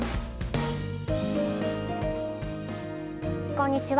こんにちは。